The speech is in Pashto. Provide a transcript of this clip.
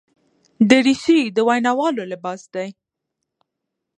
دریشي د ویناوالو لباس دی.